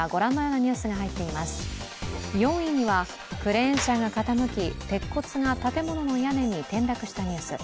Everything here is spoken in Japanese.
４位にはクレーン車が傾き鉄骨が建物の屋根に転落したニュース。